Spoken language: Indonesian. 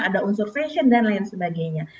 ada unsur fashion dan lain sebagainya